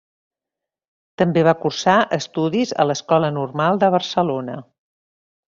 També va cursar estudis a l'Escola Normal de Barcelona.